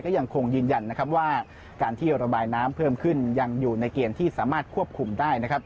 ยังคงยืนยันนะครับว่าการที่ระบายน้ำเพิ่มขึ้นยังอยู่ในเกณฑ์ที่สามารถควบคุมได้นะครับ